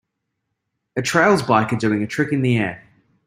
A trials biker doing a trick in the air.